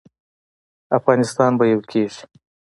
افغانستان به یو کیږي